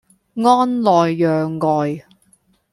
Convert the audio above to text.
安內攘外